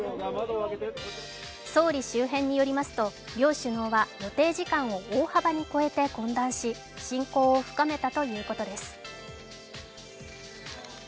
総理周辺によりますと両首脳は予定時間を大幅に超えて懇談し親交を深めたということです。